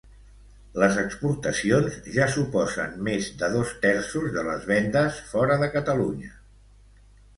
Les exportacions ja suposen més de dos terços de les vendes fora de Catalunya.